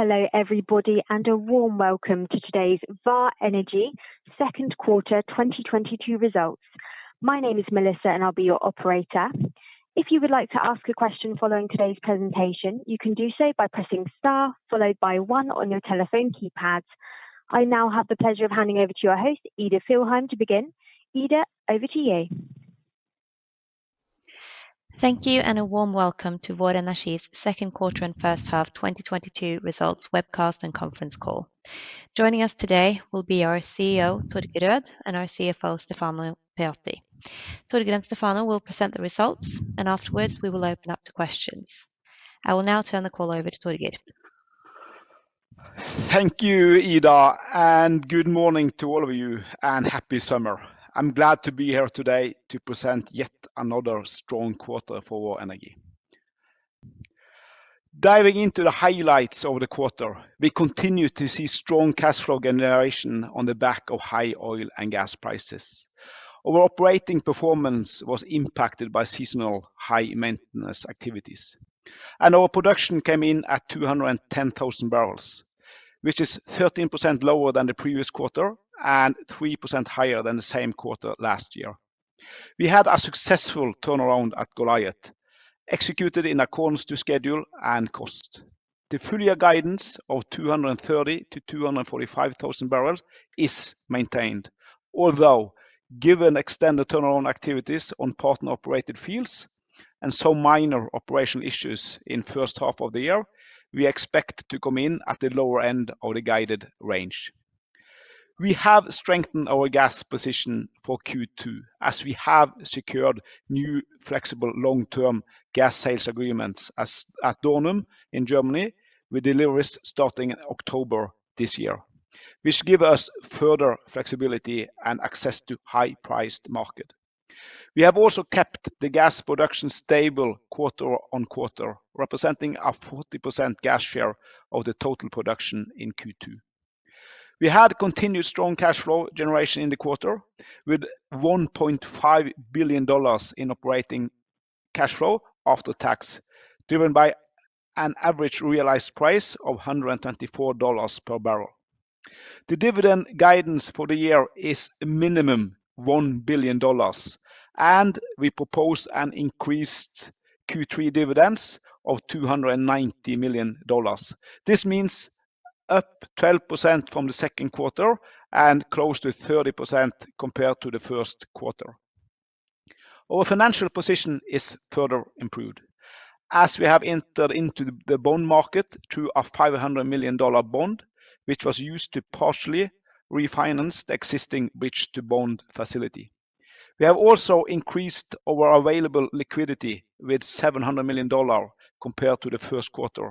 Hello everybody, and a warm welcome to today's Vår Energi Q2 2022 results. My name is Melissa and I'll be your operator. If you would like to ask a question following today's presentation, you can do so by pressing star followed by one on your telephone keypads. I now have the pleasure of handing over to your host, Ida Marie Fjellheim, to begin. Ida, over to you. Thank you and a warm welcome to Vår Energi's Q2 and first half 2022 results webcast and conference call. Joining us today will be our CEO, Torger Rød, and our CFO, Stefano Pujatti. Torger and Stefano will present the results and afterwards we will open up to questions. I will now turn the call over to Torger. Thank you, Ida, and good morning to all of you and happy summer. I'm glad to be here today to present yet another strong quarter for Vår Energi. Diving into the highlights of the quarter, we continue to see strong cash flow generation on the back of high oil and gas prices. Our operating performance was impacted by seasonal high maintenance activities, and our production came in at 210,000 barrels, which is 13% lower than the previous quarter and 3% higher than the same quarter last year. We had a successful turnaround at Goliat, executed in accordance to schedule and cost. The full year guidance of 230,000-245,000 barrels is maintained, although given extended turnaround activities on partner-operated fields and some minor operational issues in first half of the year, we expect to come in at the lower end of the guided range. We have strengthened our gas position for Q2 as we have secured new flexible long-term gas sales agreements at Dornum in Germany with deliveries starting in October this year, which give us further flexibility and access to high-priced market. We have also kept the gas production stable quarter-on-quarter, representing a 40% gas share of the total production in Q2. We had continued strong cash flow generation in the quarter with $1.5 billion in operating cash flow after tax, driven by an average realized price of $124 per barrel. The dividend guidance for the year is minimum $1 billion, and we propose an increased Q3 dividend of $290 million. This means up 12% from the Q2 and close to 30% compared to the Q1. Our financial position is further improved as we have entered into the bond market through a $500 million bond, which was used to partially refinance the existing bridge-to-bond facility. We have also increased our available liquidity with $700 million compared to the Q1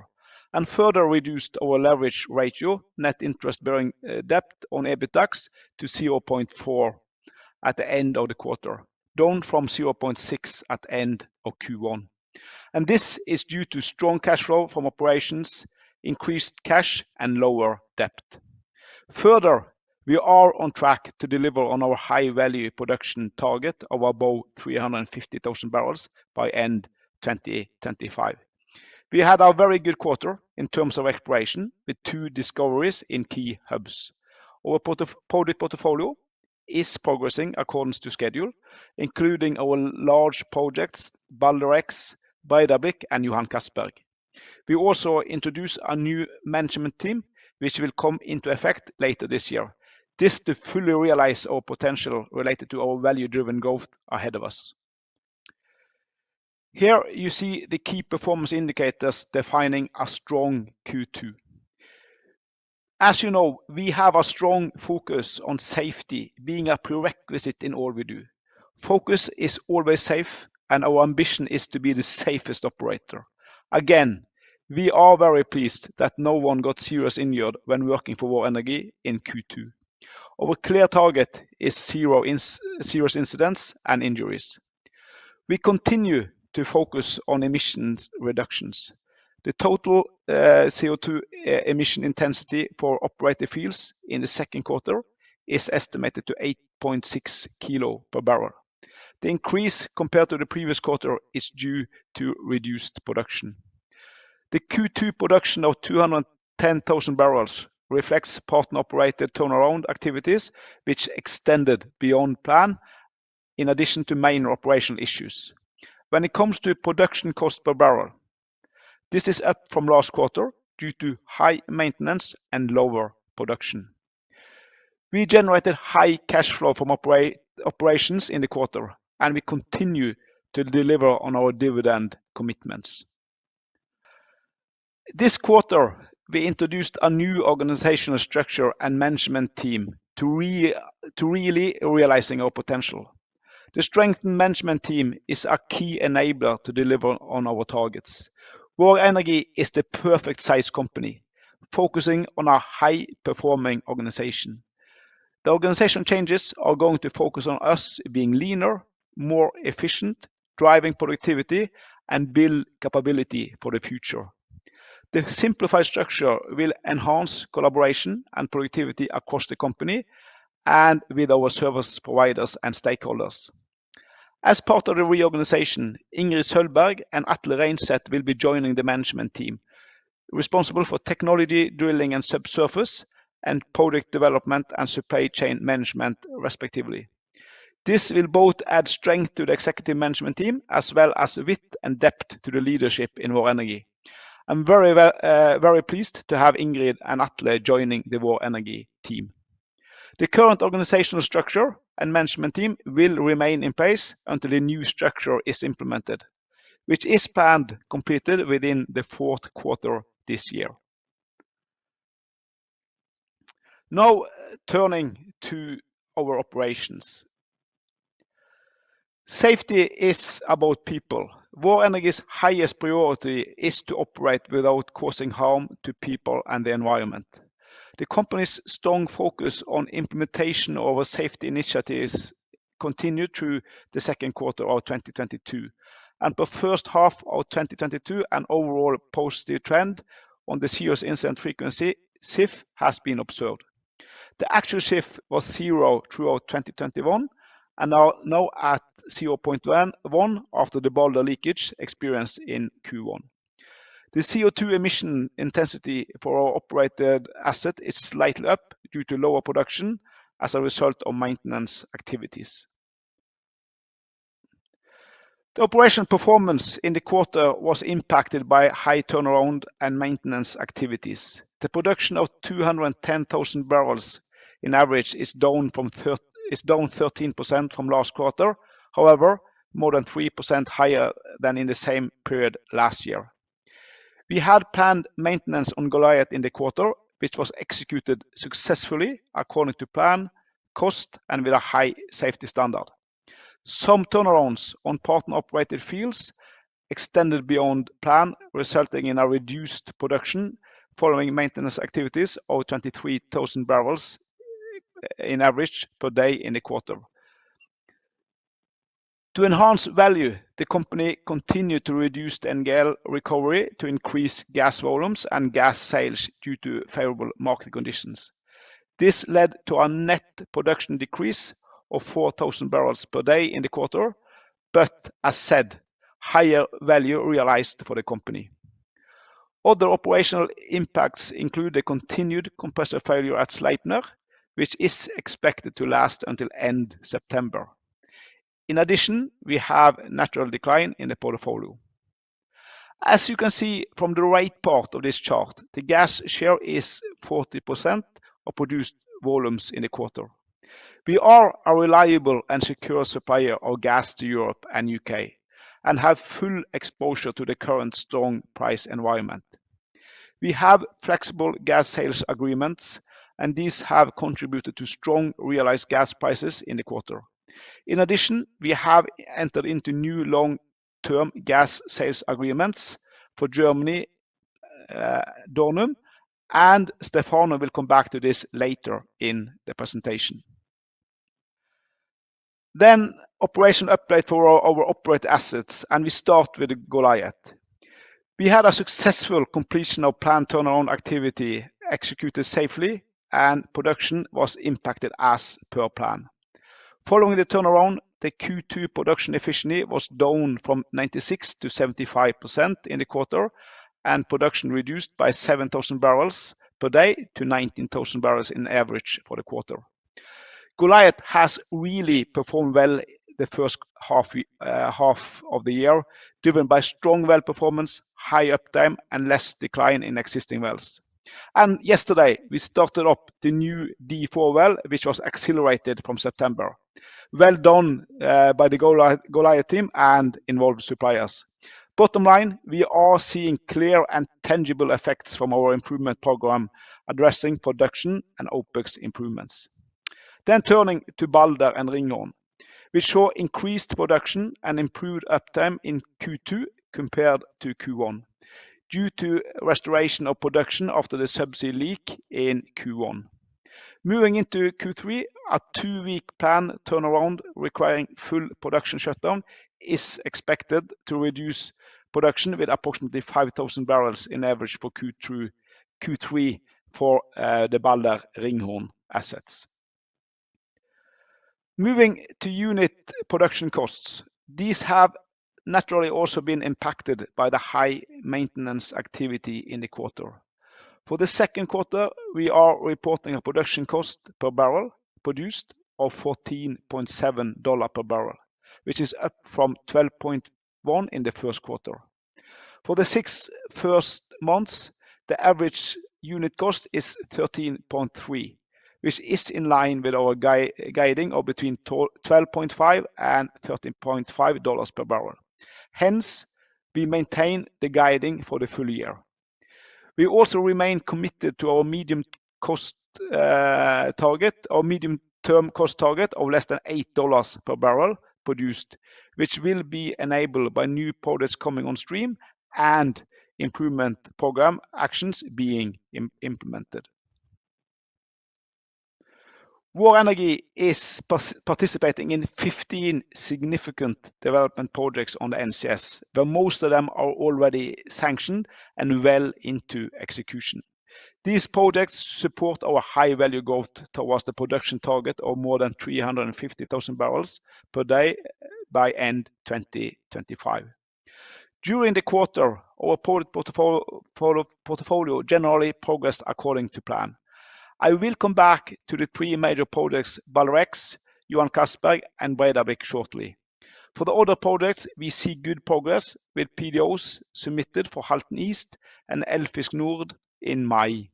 and further reduced our leverage ratio, net interest-bearing debt on EBITDAX to 0.4 at the end of the quarter, down from 0.6 at end of Q1. This is due to strong cash flow from operations, increased cash and lower debt. Further, we are on track to deliver on our high value production target of above 350,000 barrels by end 2025. We had a very good quarter in terms of exploration with two discoveries in key hubs. Our project portfolio is progressing according to schedule, including our large projects Balder X, Breidablikk and Johan Castberg. We also introduce a new management team which will come into effect later this year. This to fully realize our potential related to our value-driven growth ahead of us. Here you see the key performance indicators defining a strong Q2. As you know, we have a strong focus on safety being a prerequisite in all we do. Focus is always safe and our ambition is to be the safest operator. Again, we are very pleased that no one got seriously injured when working for Vår Energi in Q2. Our clear target is zero serious incidents and injuries. We continue to focus on emissions reductions. The total CO2 emission intensity for operated fields in the Q2 is estimated to 8.6 kg per barrel. The increase compared to the previous quarter is due to reduced production. The Q2 production of 210,000 barrels reflects partner-operated turnaround activities which extended beyond plan in addition to minor operational issues. When it comes to production cost per barrel, this is up from last quarter due to high maintenance and lower production. We generated high cash flow from operations in the quarter, and we continue to deliver on our dividend commitments. This quarter, we introduced a new organizational structure and management team to really realizing our potential. The strengthened management team is a key enabler to deliver on our targets. Vår Energi is the perfect size company, focusing on a high-performing organization. The organization changes are going to focus on us being leaner, more efficient, driving productivity and build capability for the future. The simplified structure will enhance collaboration and productivity across the company and with our service providers and stakeholders. As part of the reorganization, Ingrid Sølvberg and Atle Reinseth will be joining the management team responsible for technology, drilling and subsurface, and project development and supply chain management respectively. This will both add strength to the executive management team as well as width and depth to the leadership in Vår Energi. I'm very pleased to have Ingrid and Atle joining the Vår Energi team. The current organizational structure and management team will remain in place until the new structure is implemented, which is planned completed within the Q4 this year. Now turning to our operations. Safety is about people. Vår Energi's highest priority is to operate without causing harm to people and the environment. The company's strong focus on implementation of our safety initiatives continued through the Q2 of 2022, and the first half of 2022 an overall positive trend on the Serious Incident Frequency, SIF, has been observed. The actual SIF was zero throughout 2021, and now at 0.1 after the Balder leakage experienced in Q1. The CO2 emission intensity for our operated asset is slightly up due to lower production as a result of maintenance activities. The operational performance in the quarter was impacted by high turnaround and maintenance activities. The production of 210,000 barrels on average is down 13% from last quarter, however, more than 3% higher than in the same period last year. We had planned maintenance on Goliat in the quarter, which was executed successfully according to plan, cost, and with a high safety standard. Some turnarounds on partner-operated fields extended beyond plan, resulting in a reduced production following maintenance activities of 23,000 barrels on average per day in the quarter. To enhance value, the company continued to reduce NGL recovery to increase gas volumes and gas sales due to favorable market conditions. This led to a net production decrease of 4,000 barrels per day in the quarter, but as said, higher value realized for the company. Other operational impacts include the continued compressor failure at Sleipner, which is expected to last until end September. In addition, we have natural decline in the portfolio. As you can see from the right part of this chart, the gas share is 40% of produced volumes in the quarter. We are a reliable and secure supplier of gas to Europe and UK and have full exposure to the current strong price environment. We have flexible gas sales agreements, and these have contributed to strong realized gas prices in the quarter. In addition, we have entered into new long-term gas sales agreements for Germany, Dornum, and Stefano will come back to this later in the presentation. Operational update for our operated assets, and we start with the Goliat. We had a successful completion of planned turnaround activity executed safely, and production was impacted as per plan. Following the turnaround, the Q2 production efficiency was down from 96% to 75% in the quarter, and production reduced by 7,000 barrels per day to 19,000 barrels on average for the quarter. Goliat has really performed well the first half of the year, driven by strong well performance, high uptime, and less decline in existing wells. Yesterday, we started up the new D-4 well, which was accelerated from September. Well done by the Goliat team and involved suppliers. Bottom line, we are seeing clear and tangible effects from our improvement program addressing production and OpEx improvements. Turning to Balder and Ringhorne, which saw increased production and improved uptime in Q2 compared to Q1 due to restoration of production after the subsea leak in Q1. Moving into Q3, a two-week plan turnaround requiring full production shutdown is expected to reduce production with approximately 5,000 barrels on average for Q2, Q3 for the Balder-Ringhorne assets. Moving to unit production costs. These have naturally also been impacted by the high maintenance activity in the quarter. For the Q2, we are reporting a production cost per barrel produced of $14.7 per barrel, which is up from $12.1 in the Q1. For the six first months, the average unit cost is $13.3, which is in line with our guiding of between $12.5 and $13.5 per barrel. Hence, we maintain the guiding for the full year. We also remain committed to our medium-term cost target of less than $8 per barrel produced, which will be enabled by new projects coming on stream and improvement program actions being implemented. Vår Energi is participating in 15 significant development projects on the NCS, where most of them are already sanctioned and well into execution. These projects support our high value growth towards the production target of more than 350,000 barrels per day by end 2025. During the quarter, our product portfolio generally progressed according to plan. I will come back to the three major projects, Balder X, Johan Castberg, and Breidablikk shortly. For the other projects, we see good progress with PDOs submitted for Halten East and Eldfisk Nord in May.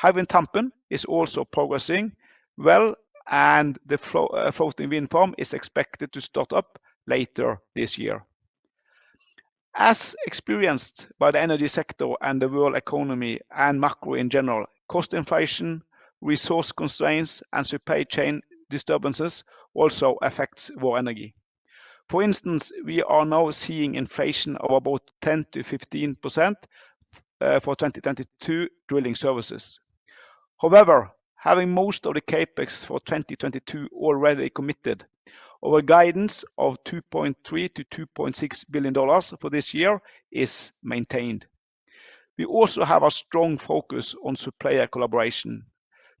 Hywind Tampen is also progressing well, and the floating wind farm is expected to start up later this year. As experienced by the energy sector and the world economy and macro in general, cost inflation, resource constraints, and supply chain disturbances also affects Vår Energi. For instance, we are now seeing inflation of about 10%-15% for 2022 drilling services. However, having most of the CapEx for 2022 already committed, our guidance of $2.3 billion-$2.6 billion for this year is maintained. We also have a strong focus on supplier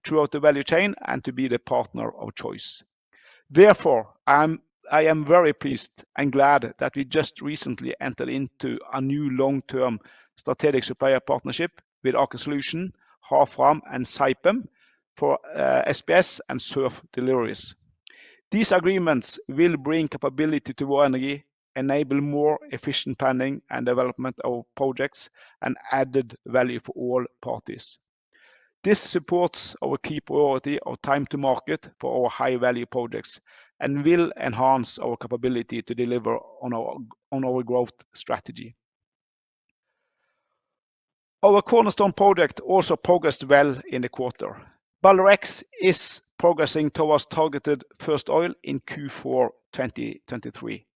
collaboration throughout the value chain and to be the partner of choice. Therefore, I am very pleased and glad that we just recently entered into a new long-term strategic supplier partnership with Aker Solutions, Havfram, and Saipem for SPS and SURF deliveries. These agreements will bring capability to Vår Energi, enable more efficient planning and development of projects and added value for all parties. This supports our key priority of time to market for our high-value projects and will enhance our capability to deliver on our growth strategy. Our cornerstone project also progressed well in the quarter. Balder X is progressing towards targeted first oil in Q4 2023.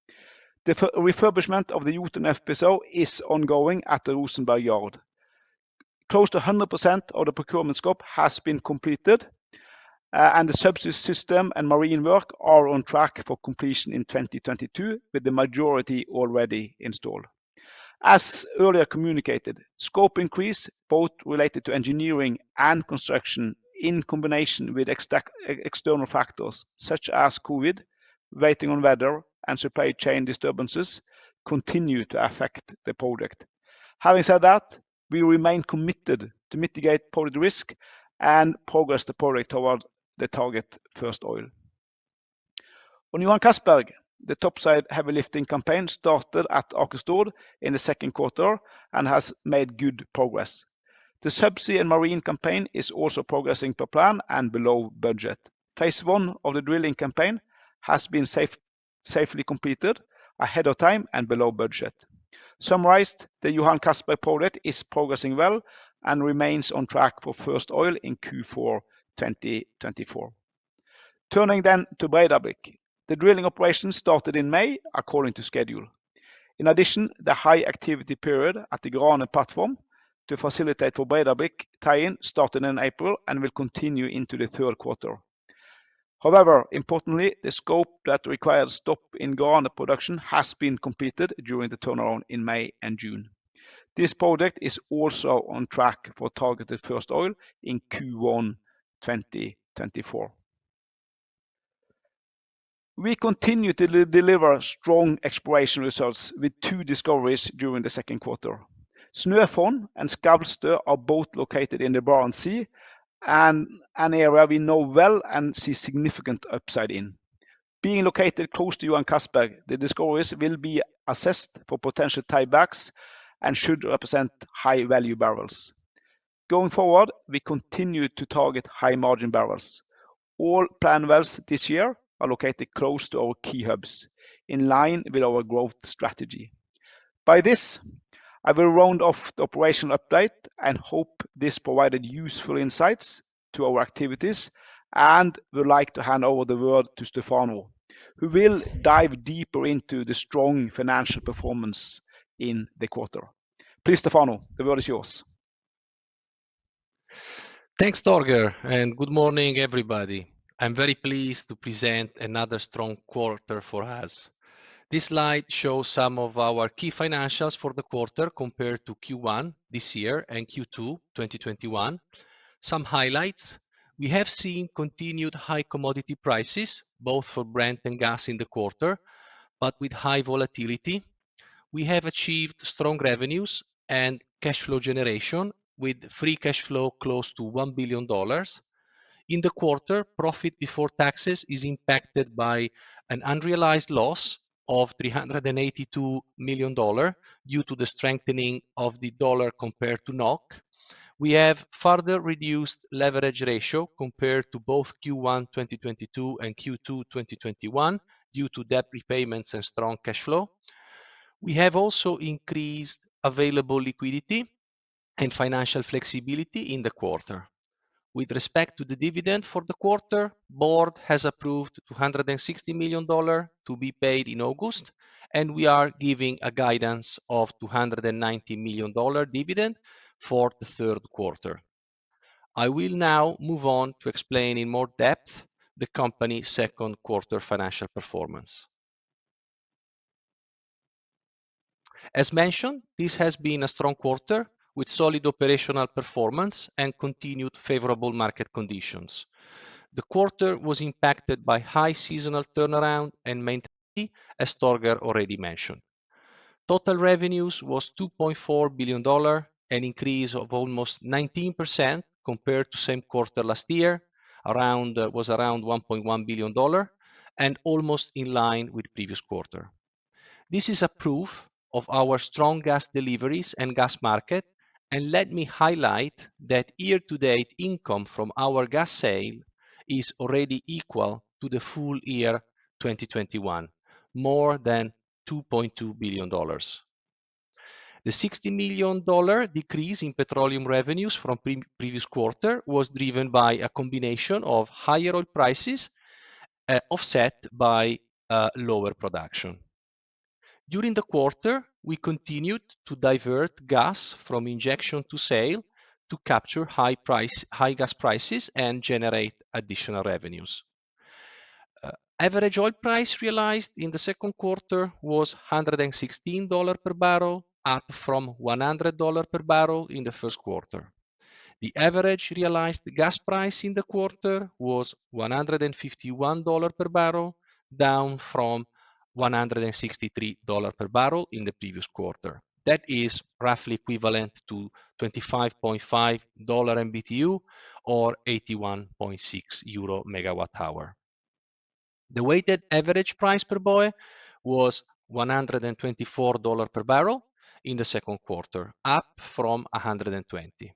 The refurbishment of the Jotun FPSO is ongoing at the Rosenberg yard. Close to 100% of the procurement scope has been completed, and the subsea system and marine work are on track for completion in 2022, with the majority already installed. As earlier communicated, scope increase both related to engineering and construction in combination with external factors such as COVID, waiting on weather, and supply chain disturbances continue to affect the project. Having said that, we remain committed to mitigate project risk and progress the project toward the target first oil. On Johan Castberg, the topside heavy lifting campaign started at Aker Stord in the Q2 and has made good progress. The subsea and marine campaign is also progressing to plan and below budget. Phase one of the drilling campaign has been safely completed ahead of time and below budget. Summarized, the Johan Castberg project is progressing well and remains on track for first oil in Q4 2024. Turning then to Breidablikk. The drilling operations started in May according to schedule. In addition, the high activity period at the Grane platform to facilitate for Breidablikk tie-in started in April and will continue into the Q3. However, importantly, the scope that requires stop in Grane production has been completed during the turnaround in May and June. This project is also on track for targeted first oil in Q1 2024. We continue to deliver strong exploration results with two discoveries during the Q2. Snøfonn and Skarbstø are both located in the Barents Sea and an area we know well and see significant upside in. Being located close to Johan Castberg, the discoveries will be assessed for potential tiebacks and should represent high-value barrels. Going forward, we continue to target high-margin barrels. All planned wells this year are located close to our key hubs, in line with our growth strategy. By this, I will round off the operational update and hope this provided useful insights to our activities and would like to hand over the word to Stefano, who will dive deeper into the strong financial performance in the quarter. Please, Stefano, the word is yours. Thanks, Torger, and good morning, everybody. I'm very pleased to present another strong quarter for us. This slide shows some of our key financials for the quarter compared to Q1 this year and Q2 2021. Some highlights. We have seen continued high commodity prices, both for Brent and gas in the quarter, but with high volatility. We have achieved strong revenues and cash flow generation with free cash flow close to $1 billion. In the quarter, profit before taxes is impacted by an unrealized loss of $382 million due to the strengthening of the dollar compared to NOK. We have further reduced leverage ratio compared to both Q1 2022 and Q2 2021 due to debt repayments and strong cash flow. We have also increased available liquidity and financial flexibility in the quarter. With respect to the dividend for the quarter, board has approved $260 million to be paid in August, and we are giving a guidance of $290 million dividend for the Q3. I will now move on to explain in more depth the company's Q2 financial performance. As mentioned, this has been a strong quarter with solid operational performance and continued favorable market conditions. The quarter was impacted by high seasonal turnaround and maintenance, as Torger already mentioned. Total revenues was $2.4 billion, an increase of almost 19% compared to same quarter last year, around was around $1.1 billion, and almost in line with previous quarter. This is a proof of our strong gas deliveries and gas market and let me highlight that year-to-date income from our gas sale is already equal to the full year 2021, more than $2.2 billion. The $60 million decrease in petroleum revenues from previous quarter was driven by a combination of higher oil prices, offset by lower production. During the quarter, we continued to divert gas from injection to sale to capture high price, high gas prices and generate additional revenues. Average oil price realized in the Q2 was $116 per barrel, up from $100 per barrel in the Q1. The average realized gas price in the quarter was $151 per barrel, down from $163 per barrel in the previous quarter. That is roughly equivalent to $25.5/MMBtu or 81.6 euro/MWh. The weighted average price per BOE was $124 per barrel in the Q2, up from $120.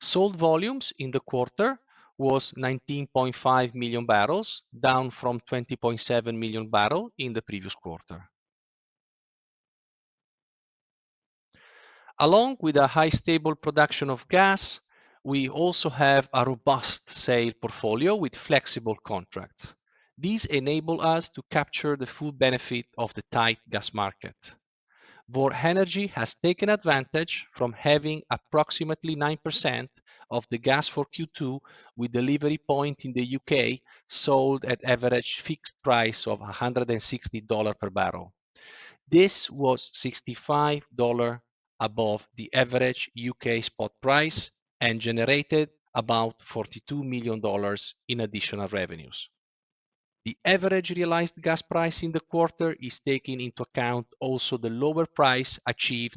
Sold volumes in the quarter was 19.5 million barrels, down from 20.7 million barrel in the previous quarter. Along with a high stable production of gas, we also have a robust sale portfolio with flexible contracts. These enable us to capture the full benefit of the tight gas market. Vår Energi has taken advantage from having approximately 9% of the gas for Q2 with delivery point in the UK sold at average fixed price of $160 per barrel. This was $65 above the average UK spot price and generated about $42 million in additional revenues. The average realized gas price in the quarter is taking into account also the lower price achieved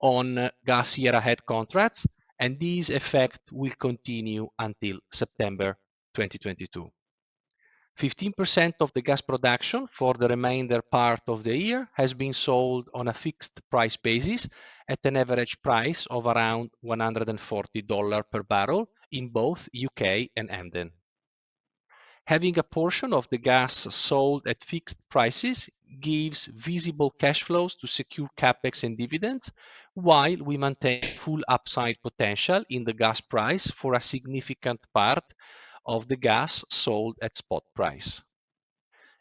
on gas year ahead contracts, and this effect will continue until September 2022. 15% of the gas production for the remainder part of the year has been sold on a fixed price basis at an average price of around $140 per barrel in both UK and Emden. Having a portion of the gas sold at fixed prices gives visible cash flows to secure CapEx and dividends while we maintain full upside potential in the gas price for a significant part of the gas sold at spot price.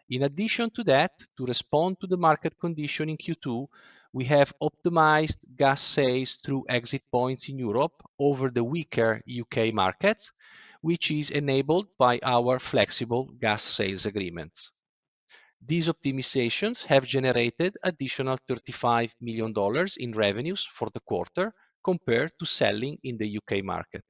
In addition to that, to respond to the market condition in Q2, we have optimized gas sales through exit points in Europe over the weaker UK markets, which is enabled by our flexible gas sales agreements. These optimizations have generated additional $35 million in revenues for the quarter compared to selling in the UK market.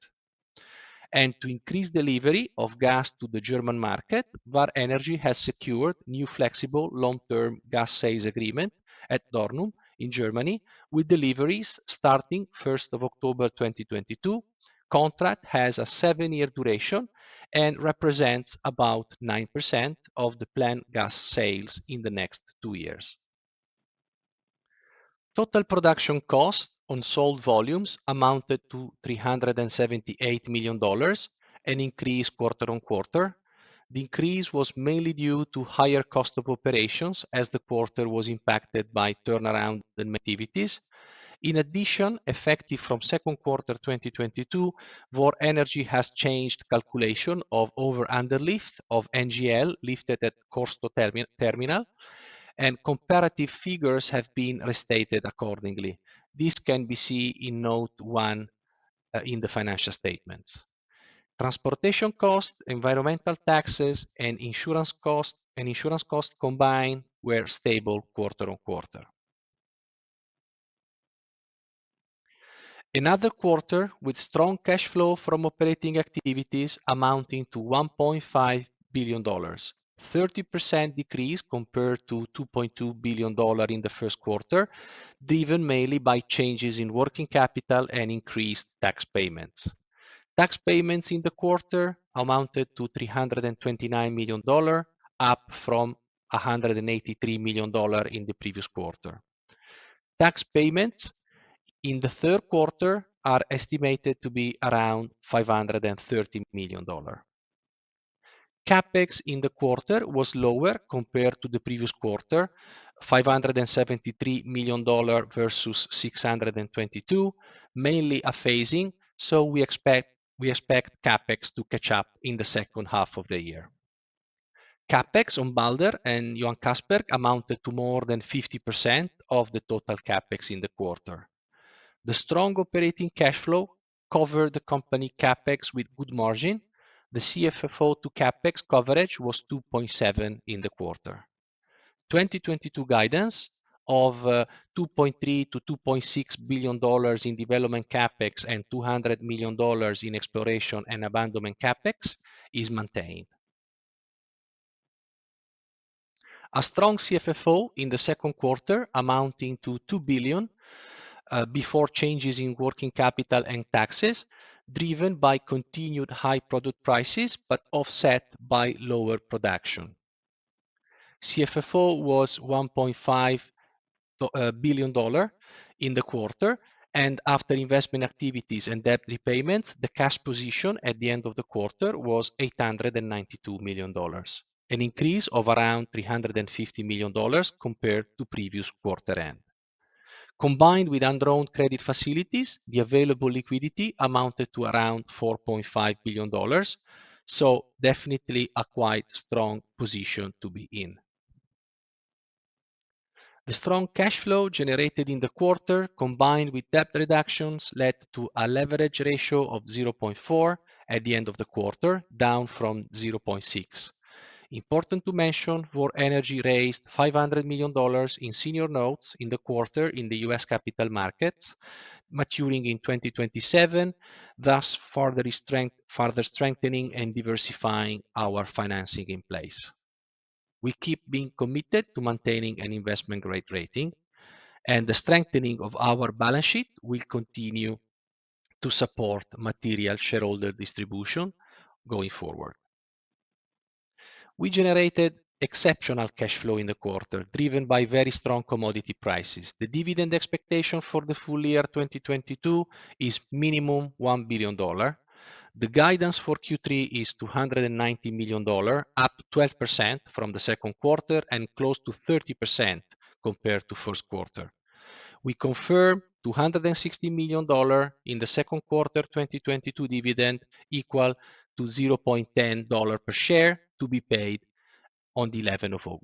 To increase delivery of gas to the German market, Vår Energi has secured new flexible long-term gas sales agreement at Dornum in Germany, with deliveries starting October 1, 2022. Contract has a seven-year duration and represents about 9% of the planned gas sales in the next two years. Total production cost on sold volumes amounted to $378 million, an increase quarter-on-quarter. The increase was mainly due to higher cost of operations as the quarter was impacted by turnaround and activities. In addition, effective from Q2 2022, Vår Energi has changed calculation of over-under lift of NGL lifted at Kårstø terminal, and comparative figures have been restated accordingly. This can be seen in note one in the financial statements. Transportation costs, environmental taxes, and insurance costs combined were stable QoQ. Another quarter with strong cash flow from operating activities amounting to $1.5 billion, 30% decrease compared to $2.2 billion in the Q1, driven mainly by changes in working capital and increased tax payments. Tax payments in the quarter amounted to $329 million, up from $183 million in the previous quarter. Tax payments in the Q3 are estimated to be around $530 million. CapEx in the quarter was lower compared to the previous quarter, $573 million versus $622 million, mainly a phasing. We expect CapEx to catch up in the second half of the year. CapEx on Balder and Johan Castberg amounted to more than 50% of the total CapEx in the quarter. The strong operating cash flow covered the company CapEx with good margin. The CFFO to CapEx coverage was 2.7 in the quarter. 2022 guidance of $2.3 billion-$2.6 billion in development CapEx and $200 million in exploration and abandonment CapEx is maintained. A strong CFFO in the Q2 amounting to $2 billion before changes in working capital and taxes, driven by continued high product prices, but offset by lower production. CFFO was $1.5 billion in the quarter, and after investment activities and debt repayments, the cash position at the end of the quarter was $892 million, an increase of around $350 million compared to previous quarter end. Combined with undrawn credit facilities, the available liquidity amounted to around $4.5 billion, so definitely a quite strong position to be in. The strong cash flow generated in the quarter, combined with debt reductions, led to a leverage ratio of 0.4 at the end of the quarter, down from 0.6. Important to mention, Vår Energi raised $500 million in senior notes in the quarter in the U.S. capital markets maturing in 2027, thus further strengthening and diversifying our financing in place. We keep being committed to maintaining an investment-grade rating, and the strengthening of our balance sheet will continue to support material shareholder distribution going forward. We generated exceptional cash flow in the quarter, driven by very strong commodity prices. The dividend expectation for the full year 2022 is minimum $1 billion. The guidance for Q3 is $290 million, up 12% from the Q2 and close to 30% compared to Q1. We confirm $260 million in the Q2 2022 dividend equal to $0.10 per share to be paid on the August 11.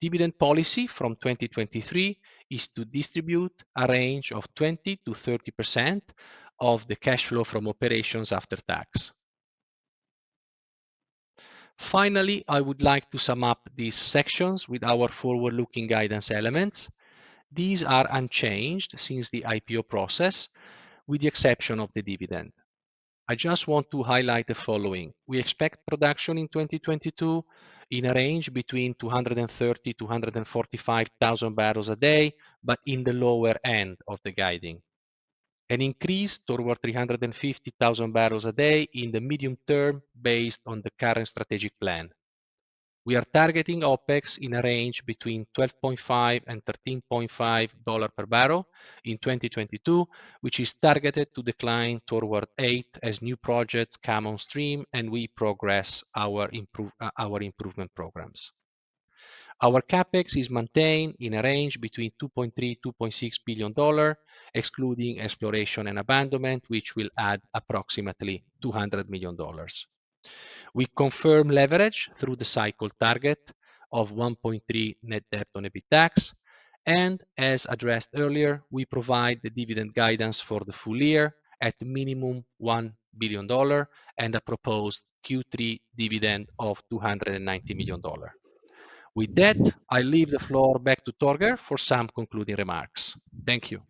Dividend policy from 2023 is to distribute a range of 20%-30% of the cash flow from operations after tax. Finally, I would like to sum up these sections with our forward-looking guidance elements. These are unchanged since the IPO process, with the exception of the dividend. I just want to highlight the following. We expect production in 2022 in a range between 230,000-245,000 barrels a day, but in the lower end of the guidance. An increase toward 350,000 barrels a day in the medium term based on the current strategic plan. We are targeting OpEx in a range between $12.5-$13.5 per barrel in 2022, which is targeted to decline toward $8 as new projects come on stream and we progress our improvement programs. Our CapEx is maintained in a range between $2.3-$2.6 billion, excluding exploration and abandonment, which will add approximately $200 million. We confirm leverage through the cycle target of 1.3 net debt on EBITDAX. As addressed earlier, we provide the dividend guidance for the full year at minimum $1 billion and a proposed Q3 dividend of $290 million. With that, I leave the floor back to Torger for some concluding remarks. Thank you.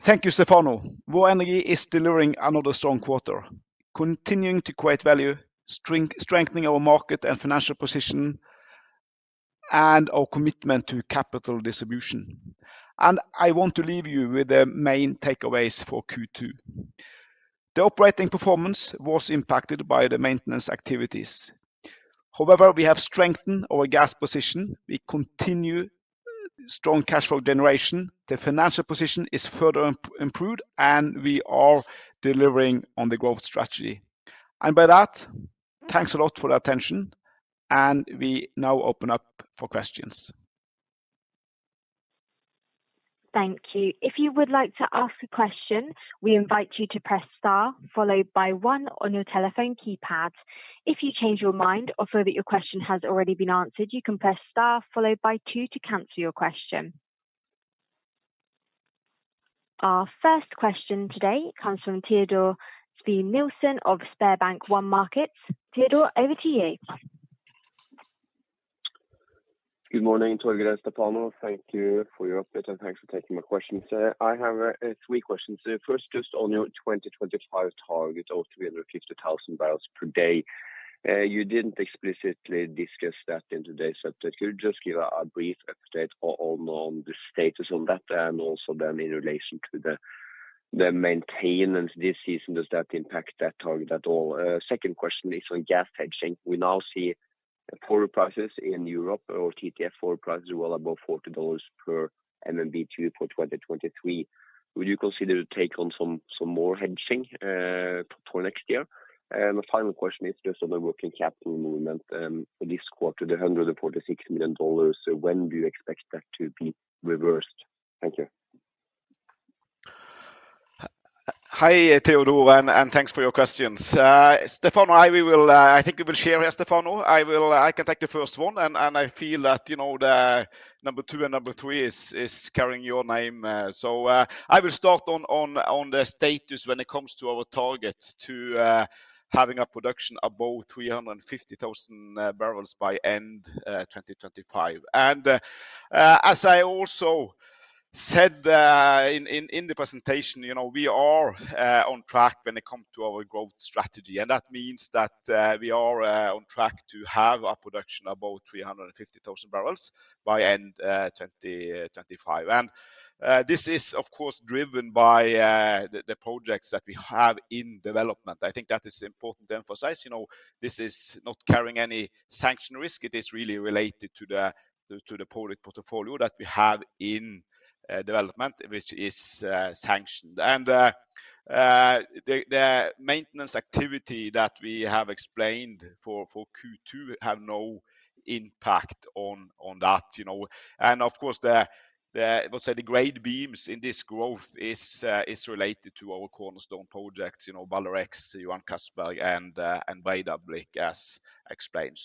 Thank you, Stefano. Vår Energi is delivering another strong quarter, continuing to create value, strengthening our market and financial position, and our commitment to capital distribution. I want to leave you with the main takeaways for Q2. The operating performance was impacted by the maintenance activities. However, we have strengthened our gas position. We continue strong cash flow generation. The financial position is further improved, and we are delivering on the growth strategy. By that, thanks a lot for your attention, and we now open up for questions. Thank you. If you would like to ask a question, we invite you to press star followed by one on your telephone keypad. If you change your mind or feel that your question has already been answered, you can press star followed by two to cancel your question. Our first question today comes from Teodor Sveen-Nilsen of SpareBank 1 Markets. Theodore, over to you. Good morning, Torger and Stefano. Thank you for your update, and thanks for taking my questions. I have three questions. The first, just on your 2025 target of 350,000 barrels per day. You didn't explicitly discuss that in today's update. Could you just give a brief update on the status on that and also then in relation to the maintenance this season? Does that impact that target at all? Second question is on gas hedging. We now see lower prices in Europe or TTF forward prices well above $40 per MMBtu for 2023. Would you consider to take on some more hedging for next year? The final question is just on the working capital movement for this quarter, the $146 million. When do you expect that to be reversed? Thank you. Hi, Teodor, thanks for your questions. Stefano and I will share. Yeah, Stefano. I can take the first one and I feel that, you know, the number two and number three is carrying your name. I will start on the status when it comes to our target to having a production above 350,000 barrels by end 2025. As I also said in the presentation, you know, we are on track when it come to our growth strategy. That means that we are on track to have a production above 350,000 barrels by end 2025. This is, of course, driven by the projects that we have in development. I think that is important to emphasize. You know, this is not carrying any sanction risk. It is really related to the project portfolio that we have in development, which is sanctioned. The maintenance activity that we have explained for Q2 have no impact on that, you know. Of course, let's say the key themes in this growth is related to our cornerstone projects, you know, Balder X, Johan Castberg, and Breidablikk, as explained.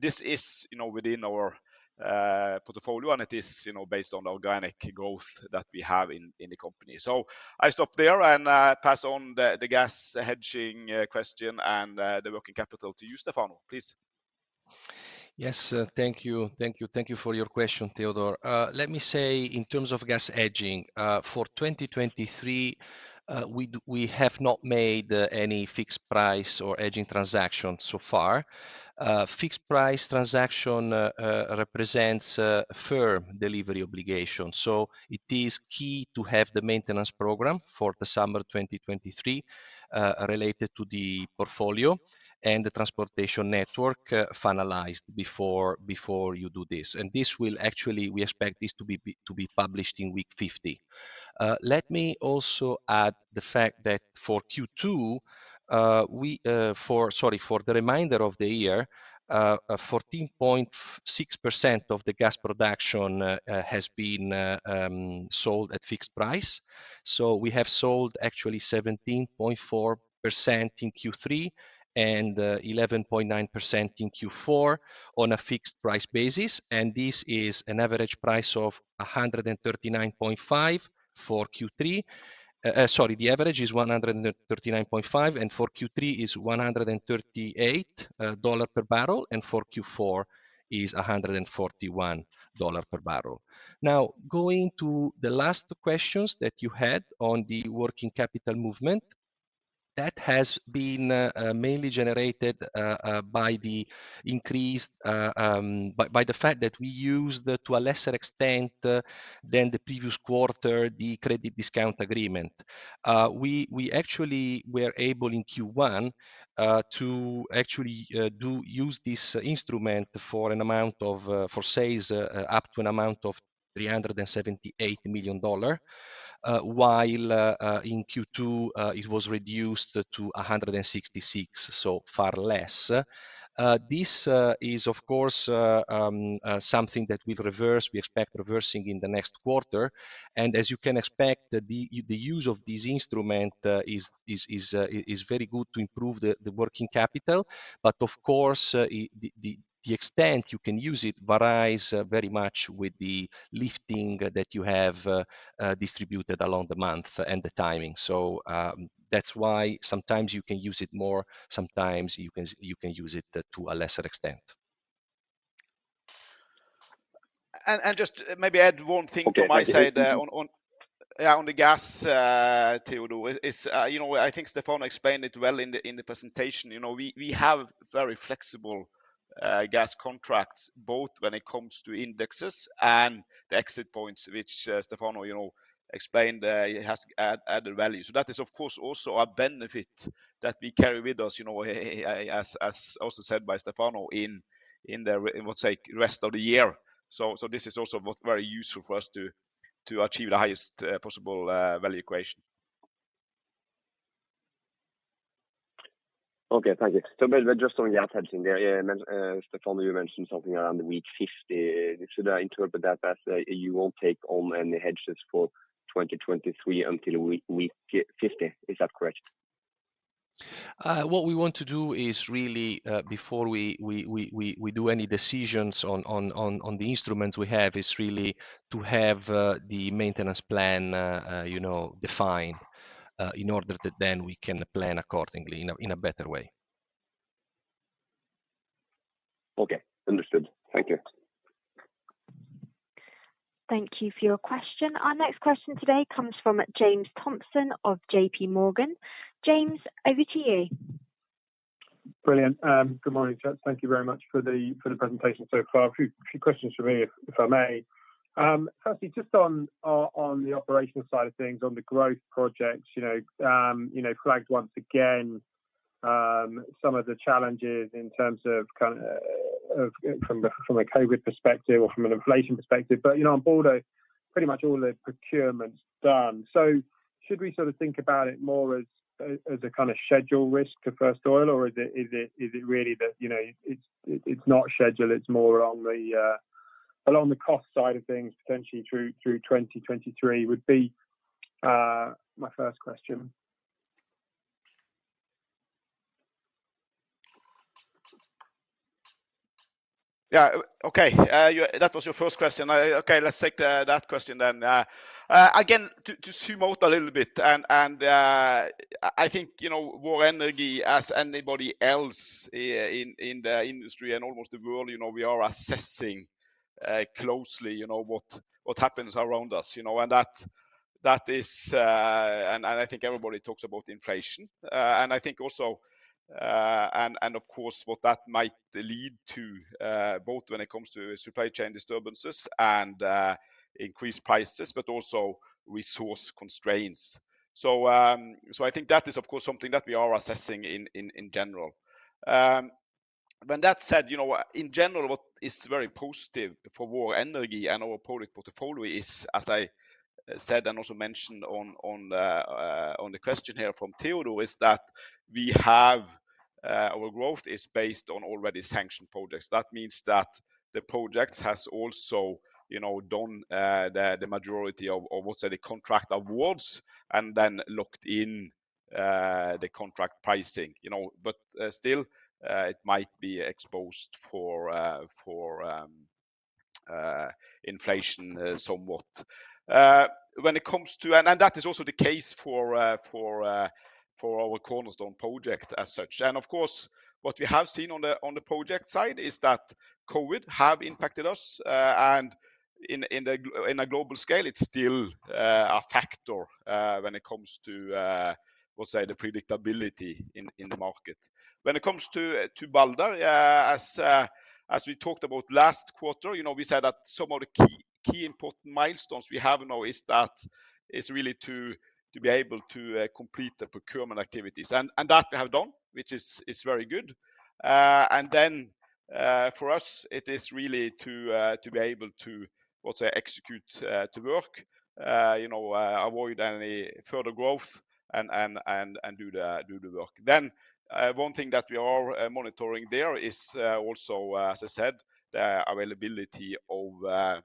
This is, you know, within our portfolio, and it is, you know, based on organic growth that we have in the company. I stop there and pass on the gas hedging question and the working capital to you, Stefano. Please. Thank you for your question, Teodor. Let me say in terms of gas hedging, for 2023, we have not made any fixed price or hedging transaction so far. Fixed price transaction represents a firm delivery obligation, so it is key to have the maintenance program for the summer 2023, related to the portfolio and the transportation network, finalized before you do this. We expect this to be published in week 50. Let me also add the fact that, sorry, for the remainder of the year, 14.6% of the gas production has been sold at fixed price. We have sold actually 17.4% in Q3 and 11.9% in Q4 on a fixed price basis, and this is an average price of 139.5 for Q3. The average is 139.5, and for Q3 is $138 per barrel, and for Q4 is $141 per barrel. Going to the last questions that you had on the working capital movement, that has been mainly generated by the fact that we used to a lesser extent than the previous quarter, the credit discount agreement. We actually were able in Q1 to actually use this instrument for sales up to an amount of $378 million, while in Q2 it was reduced to $166 million, so far less. This is of course something that we'd reverse, we expect reversing in the next quarter. As you can expect, the use of this instrument is very good to improve the working capital. Of course, the extent you can use it varies very much with the lifting that you have distributed along the month and the timing. That's why sometimes you can use it more, sometimes you can use it to a lesser extent. Just maybe add one thing from my side. Okay. Yeah, yeah. On the gas, Teodor, you know, I think Stefano explained it well in the presentation. You know, we have very flexible gas contracts, both when it comes to indexes and the exit points which Stefano, you know, explained. It has added value. That is, of course, also a benefit that we carry with us, you know, as also said by Stefano in the, I would say, rest of the year. This is also what very useful for us to achieve the highest possible value equation. Maybe just on the hedging there. Stefano, you mentioned something around week 50. Should I interpret that as you won't take on any hedges for 2023 until week 50? Is that correct? What we want to do is really, before we do any decisions on the instruments we have, is really to have the maintenance plan, you know, defined, in order that then we can plan accordingly in a better way. Okay. Understood. Thank you. Thank you for your question. Our next question today comes from James Thompson of J.P. Morgan. James, over to you. Brilliant. Good morning, chaps. Thank you very much for the presentation so far. A few questions from me, if I may. Firstly, just on the operational side of things, on the growth projects, you know, flagged once again some of the challenges in terms of kind of from a COVID perspective or from an inflation perspective. You know, on Breidablikk, pretty much all the procurement's done. Should we sort of think about it more as a kind of schedule risk to first oil, or is it really that, you know, it's not schedule, it's more around the cost side of things, potentially through 2023 would be my first question. Yeah. Okay. Yeah, that was your first question. Okay, let's take that question then. Again, to zoom out a little bit and, I think, you know, Vår Energi as anybody else in the industry and almost the world, you know, we are assessing closely, you know, what happens around us, you know. That is. I think everybody talks about inflation. I think also, of course what that might lead to, both when it comes to supply chain disturbances and, increased prices, but also resource constraints. I think that is of course something that we are assessing in general. With that said, you know, in general what is very positive for Vår Energi and our product portfolio is, as I said and also mentioned on the question here from Teodor, is that we have our growth is based on already sanctioned projects. That means that the projects has also, you know, done the majority of what say the contract awards and then locked in the contract pricing, you know. But still, it might be exposed for inflation somewhat. When it comes to and that is also the case for our cornerstone project as such. Of course, what we have seen on the project side is that COVID have impacted us. In a global scale, it's still a factor when it comes to what say the predictability in the market. When it comes to Balder, as we talked about last quarter, you know, we said that some of the key important milestones we have now is that it's really to be able to complete the procurement activities. That we have done, which is very good. For us it is really to be able to what say execute to work you know avoid any further growth and do the work. One thing that we are monitoring there is also, as I said, the availability of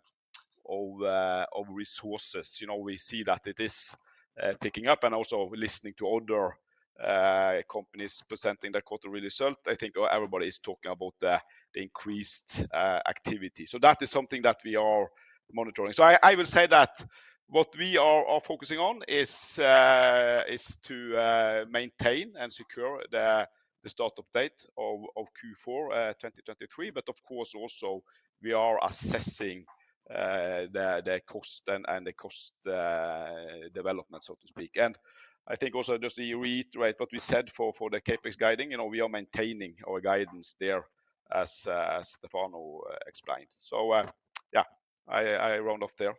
resources. You know, we see that it is ticking up and also listening to other companies presenting their quarter result, I think everybody is talking about the increased activity. That is something that we are monitoring. I will say that what we are focusing on is to maintain and secure the start-up date of Q4 2023. Of course, also we are assessing the cost and the cost development, so to speak. I think also just to reiterate what we said for the CapEx guiding, you know, we are maintaining our guidance there as Stefano explained. Yeah, I round off there.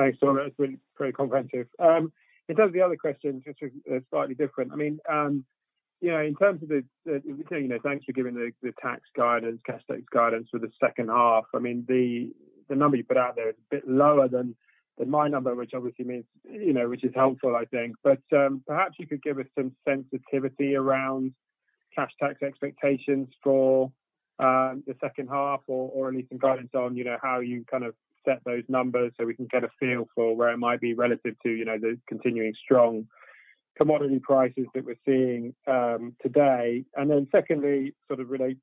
Thanks, Torger. That's been pretty comprehensive. In terms of the other question, just slightly different. I mean, you know, in terms of the tax guidance, cash tax guidance for the second half. I mean, the number you put out there is a bit lower than my number, which obviously means you know, which is helpful, I think. But perhaps you could give us some sensitivity around cash tax expectations for the second half or at least some guidance on, you know, how you kind of set those numbers so we can get a feel for where it might be relative to, you know, the continuing strong commodity prices that we're seeing today. Then secondly, sort of relate.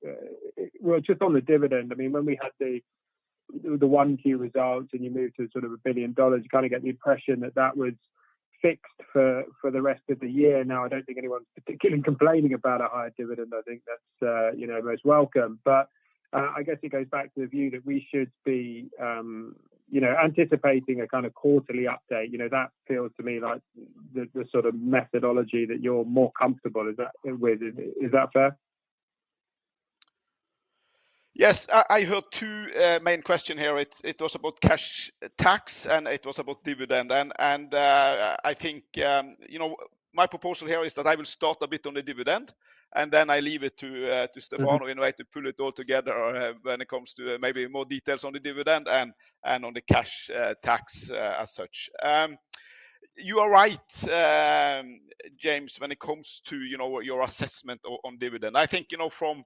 Well, just on the dividend, I mean, when we had the Q1 results and you moved to sort of $1 billion, you kind of get the impression that that was fixed for the rest of the year. Now, I don't think anyone's particularly complaining about a higher dividend. I think that's, you know, most welcome. I guess it goes back to the view that we should be, you know, anticipating a kind of quarterly update. You know, that feels to me like the sort of methodology that you're more comfortable with. Is that fair? Yes. I heard two main questions here. It was about cash tax, and it was about dividend. I think, you know, my proposal here is that I will start a bit on the dividend, and then I leave it to Stefano in a way to pull it all together or when it comes to maybe more details on the dividend and on the cash tax as such. You are right, James, when it comes to, you know, your assessment on dividend. I think, you know, from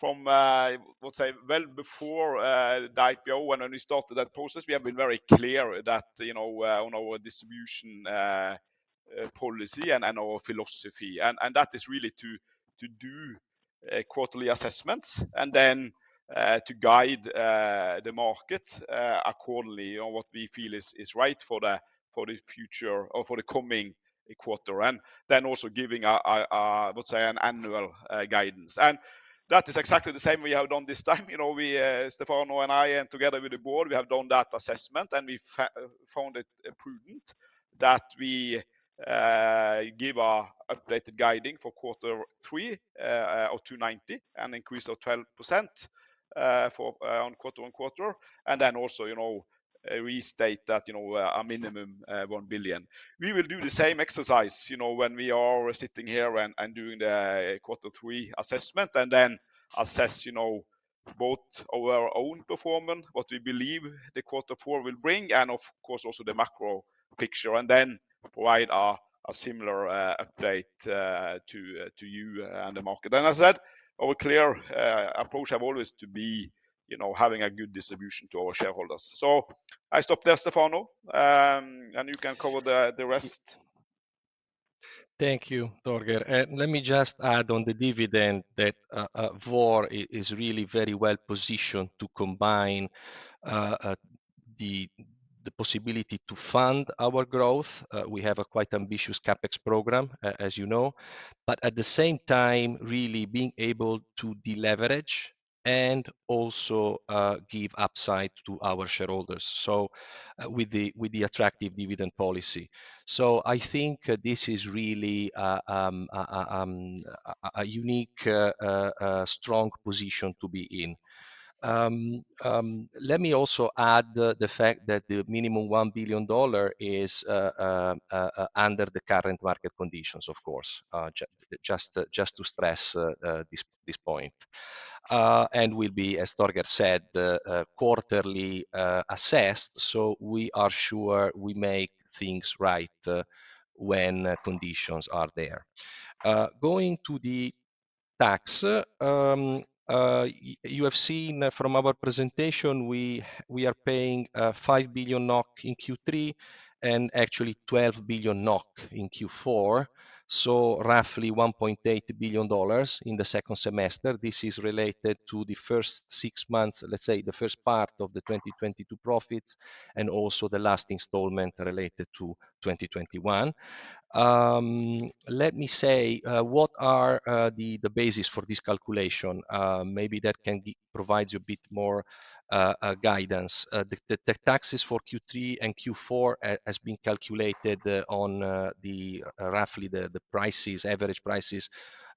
what we said well before the IPO and when we started that process, we have been very clear that, you know, on our distribution policy and our philosophy. That is really to do quarterly assessments and then to guide the market accordingly on what we feel is right for the future or for the coming quarter, and then also giving, say, an annual guidance. That is exactly the same we have done this time. You know, Stefano and I and together with the board, we have done that assessment, and we found it prudent that we give an updated guidance for quarter three of $290, an increase of 12% on quarter-on-quarter. Also, you know, restate that, you know, a minimum $1 billion. We will do the same exercise, you know, when we are sitting here and doing the quarter three assessment and then assess, you know, both our own performance, what we believe the quarter four will bring, and of course also the macro picture, and then provide a similar update to you and the market. As I said, our clear approach have always to be, you know, having a good distribution to our shareholders. I stop there, Stefano, and you can cover the rest. Thank you, Torger. Let me just add on the dividend that Vår is really very well-positioned to combine the possibility to fund our growth. We have a quite ambitious CapEx program, as you know. At the same time, really being able to deleverage and also give upside to our shareholders with the attractive dividend policy. I think this is really a unique strong position to be in. Let me also add the fact that the minimum $1 billion is under the current market conditions, of course, just to stress this point, and will be, as Torger said, quarterly assessed, so we are sure we make things right when conditions are there. Going to the taxes, you have seen from our presentation, we are paying 5 billion NOK in Q3 and actually 12 billion NOK in Q4, so roughly $1.8 billion in the second semester. This is related to the first six months, let's say the first part of the 2022 profits and also the last installment related to 2021. Let me say, what are the basis for this calculation? Maybe that provides you a bit more guidance. The taxes for Q3 and Q4 has been calculated on roughly the average prices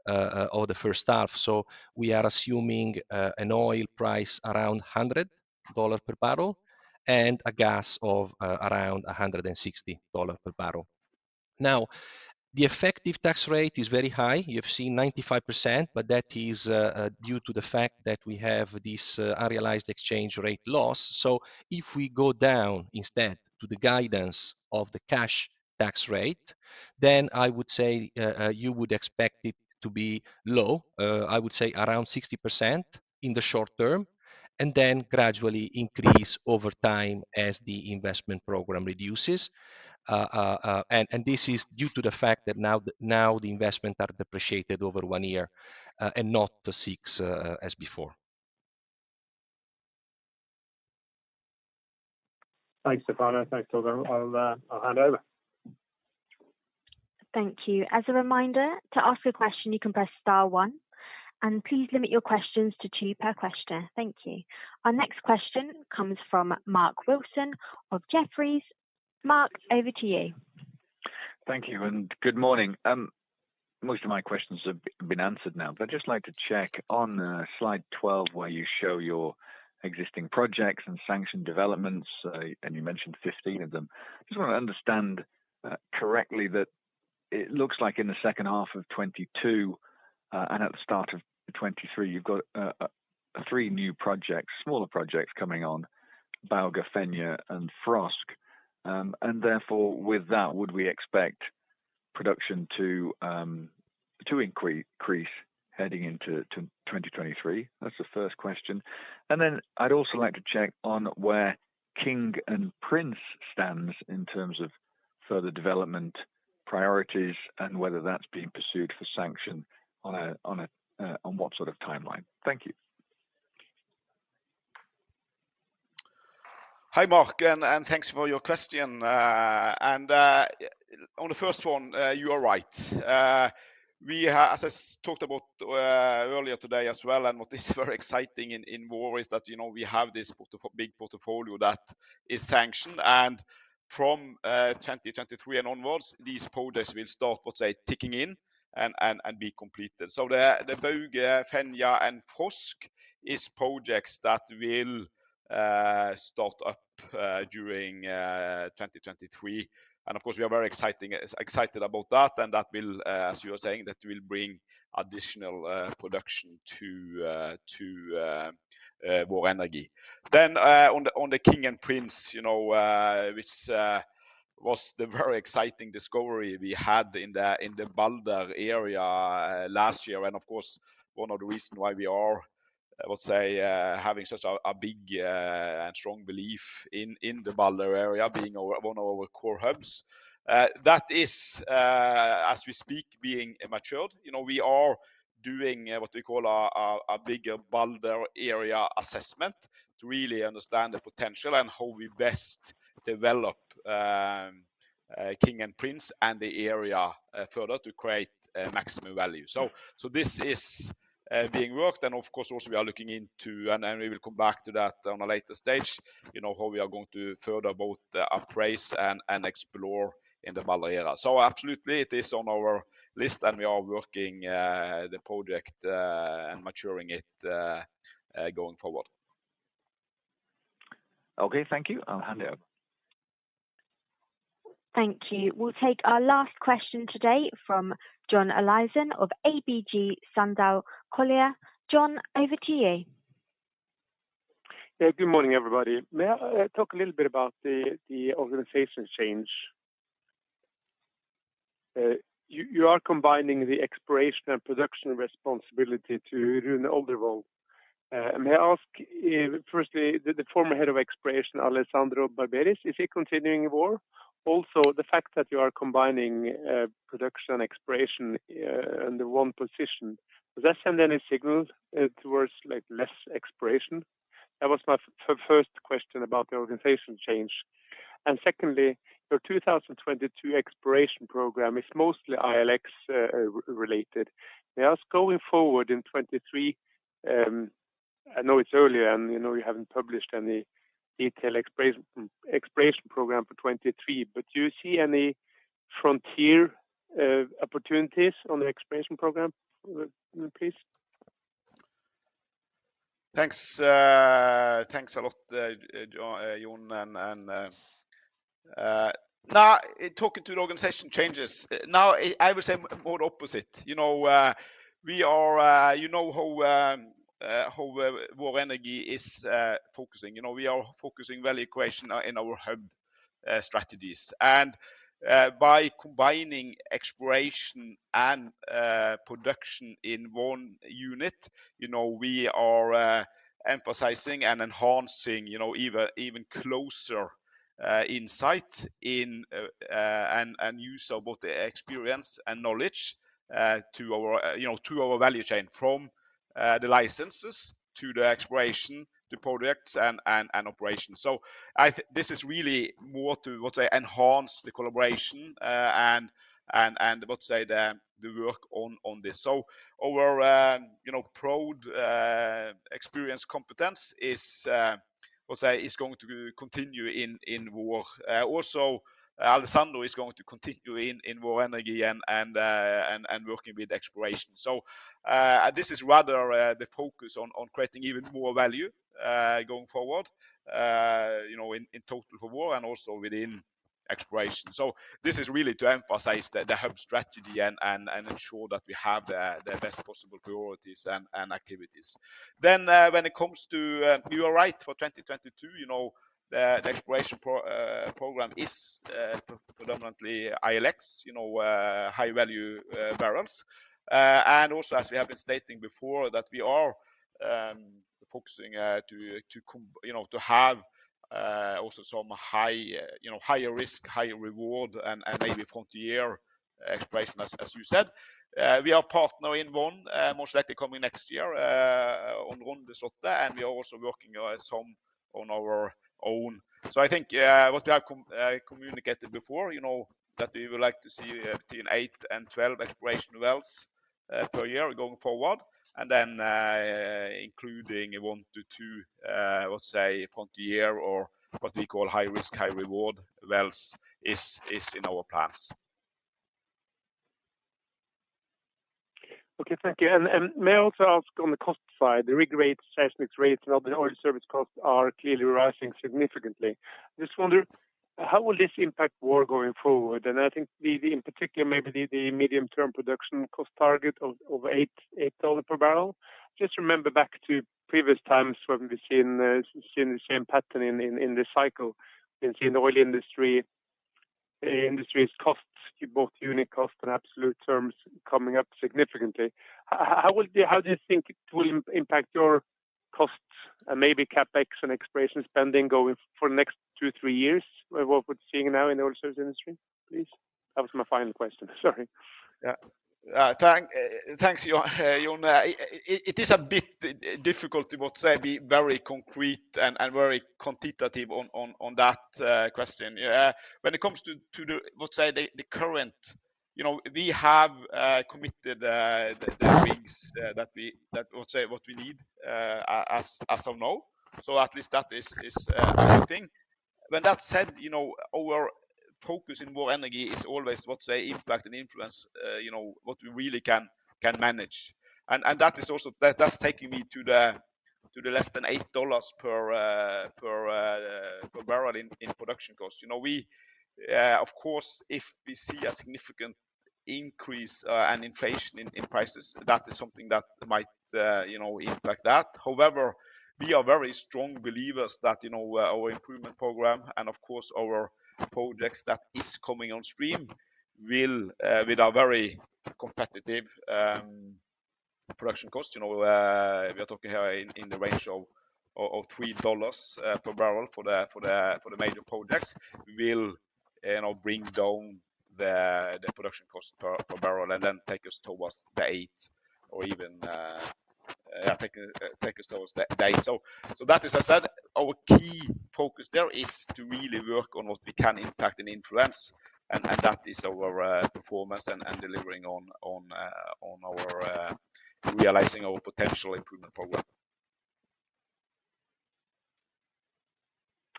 of the first half. We are assuming an oil price around $100 per barrel and a gas of around $160 per barrel. The effective tax rate is very high. You've seen 95%, but that is due to the fact that we have this unrealized exchange rate loss. If we go down instead to the guidance of the cash tax rate, then I would say you would expect it to be low, I would say around 60% in the short term, and then gradually increase over time as the investment program reduces. This is due to the fact that now the investment are depreciated over one year and not six as before. Thanks, Stefano. Thanks, Torger. I'll hand over. Thank you. As a reminder, to ask a question, you can press star one, and please limit your questions to two per question. Thank you. Our next question comes from Mark Wilson of Jefferies. Mark, over to you. Thank you and good morning. Most of my questions have been answered now, but I'd just like to check on slide 12, where you show your existing projects and sanctioned developments, and you mentioned 15 of them. I just wanna understand correctly that it looks like in the second half of 2022 and at the start of 2023, you've got three new projects, smaller projects coming on, Bauge, Fenja, and Frøsk. And therefore, with that, would we expect production to increase heading into 2023? That's the first question. I'd also like to check on where King and Prince stands in terms of further development priorities and whether that's being pursued for sanction on a, on a, on what sort of timeline. Thank you. Hi, Mark, thanks for your question. On the first one, you are right. As I talked about earlier today as well, what is very exciting in Vår is that, you know, we have this big portfolio that is sanctioned. From 2023 and onwards, these projects will start, let's say, ticking in and be completed. The Bauge, Fenja, and Frøsk projects will start up during 2023. Of course, we are very excited about that, and that will, as you are saying, bring additional production to Vår Energi. On the King and Prince, you know, which was the very exciting discovery we had in the Vålå area last year. Of course, one of the reason why we are, let's say, having such a big and strong belief in the Vålå area being our one of our core hubs. That is, as we speak, being matured. You know, we are doing what we call a bigger Vålå area assessment to really understand the potential and how we best develop King and Prince and the area further to create maximum value. This is being worked. Of course, also we are looking into, and we will come back to that on a later stage, you know, how we are going to further both appraise and explore in the Vålå area. Absolutely, it is on our list, and we are working the project and maturing it going forward. Okay. Thank you. I'll hand over. Thank you. We'll take our last question today from John Olaisen of ABG Sundal Collier. John, over to you. Good morning, everybody. May I talk a little bit about the organization change? You are combining the exploration and production responsibility to Rune Oldervoll. May I ask if firstly, the former head of exploration, Alessandro Barberis, is he continuing in Vår Energi? Also, the fact that you are combining production exploration under one position, does that send any signals towards, like, less exploration? That was my first question about the organization change. Secondly, your 2022 exploration program is mostly ILX (Infrastructure-Led Exploration) related. May I ask, going forward in 2023, I know it's early and you know, you haven't published any detailed exploration program for 2023, but do you see any frontier opportunities on the exploration program, please? Thanks. Thanks a lot, John. Now talking to the organization changes, now I will say more opposite. You know, we are, you know how Vår Energi is focusing. You know, we are focusing value creation in our hub strategies. By combining exploration and production in one unit, you know, we are emphasizing and enhancing even closer insight in and use of both the experience and knowledge to our value chain from the licenses to the exploration, to projects and operations. This is really more to, let's say, enhance the collaboration and let's say the work on this. Our proud experience competence is, let's say, going to continue in Vår Energi. Also, Alessandro is going to continue in Vår Energi and working with exploration. This is rather the focus on creating even more value going forward, you know, in total for Vår Energi and also within exploration. This is really to emphasize the hub strategy and ensure that we have the best possible priorities and activities. When it comes to... You are right, for 2022, you know, the exploration program is predominantly ILX (Infrastructure-Led Exploration), you know, high-value barrels. As we have been stating before that we are focusing to have also some high, you know, higher risk, higher reward and maybe frontier exploration as you said. We are partner in one most likely coming next year on Runde Sotla, and we are also working some on our own. I think what we have communicated before, you know, that we would like to see between eight and 12 exploration wells per year going forward and then including one to two, let's say frontier or what we call high risk, high reward wells is in our plans. Okay. Thank you. May I also ask on the cost side, the rig rates, seismic rates, and other oil service costs are clearly rising significantly. I just wonder how will this impact WOR going forward? I think the in particular maybe the medium-term production cost target of $8 per barrel. Just remember back to previous times when we've seen the same pattern in this cycle. We've seen the oil industry industry's costs, both unit cost and absolute terms coming up significantly. How do you think it will impact your costs and maybe CapEx and exploration spending going for the next two, three years with what we're seeing now in the oil service industry, please? That was my final question. Sorry. Thanks John. It is a bit difficult to, let's say, be very concrete and very quantitative on that question. When it comes to the current, you know, we have committed the rigs that we need as of now. So at least that is one thing. When that's said, you know, our focus in Vår Energi is always, let's say, impact and influence, you know, what we really can manage. That is also taking me to the less than $8 per barrel in production costs. You know, we of course if we see a significant increase and inflation in prices, that is something that might you know impact that. However, we are very strong believers that you know our improvement program and of course our projects that is coming on stream will with our very competitive production cost you know we are talking here in the range of $3 per barrel for the major projects will you know bring down the production cost per barrel and then take us towards the $8 or even take us towards the $8. that is, I said our key focus there is to really work on what we can impact and influence, and that is our performance and delivering on our realizing our potential improvement program.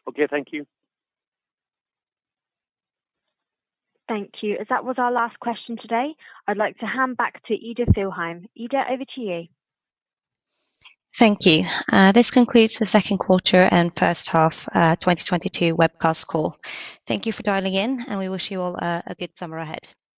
Okay. Thank you. Thank you. As that was our last question today, I'd like to hand back to Ida Marie Fjellheim. Ida, over to you. Thank you. This concludes the Q2 and first half 2022 webcast call. Thank you for dialing in, and we wish you all a good summer ahead.